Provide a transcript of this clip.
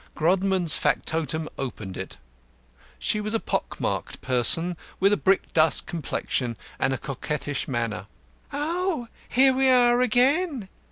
Grodman's factotum opened it. She was a pock marked person, with a brickdust complexion and a coquettish manner. "Oh! Here we are again!"